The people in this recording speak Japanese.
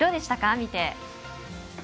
見て。